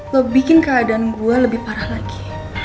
lo bikin keadaan gue lebih parah lagi